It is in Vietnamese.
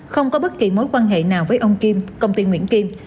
không có bất kỳ mối quan hệ nào với ông kim công ty nguyễn kim